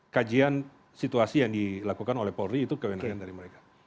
kajian situasi yang dilakukan oleh polri itu kewenangan dari mereka